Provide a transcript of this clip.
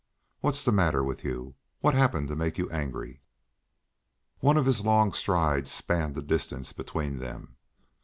What's the matter with you? What's happened to make you angry?" One of his long strides spanned the distance between them.